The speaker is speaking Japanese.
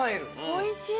おいしい。